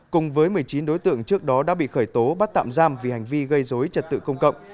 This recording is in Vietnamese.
cùng với một mươi chín đối tượng trước đó đã bị khởi tố bắt tạm giam vì hành vi gây dối trật tự công cộng